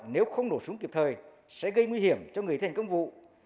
nếu không nổ súng kịp thời sẽ gây nguy hiểm cho người thành công vụ